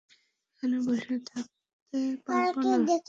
এখানে বসে থাকতে পারব না।